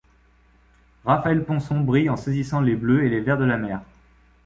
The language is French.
Raphaël Ponson brille en saisissant les bleus et les verts de la mer.